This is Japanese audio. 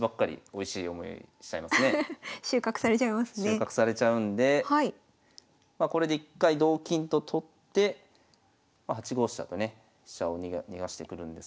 それだと収穫されちゃうんでこれで一回同金と取って８五飛車とね飛車を逃がしてくるんですけど。